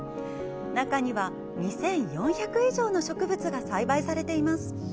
中には２４００以上の植物が栽培されています。